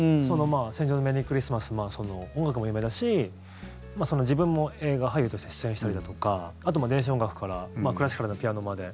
「戦場のメリークリスマス」音楽も有名だし自分も映画俳優として出演したりだとかあと、電子音楽からクラシカルなピアノまで。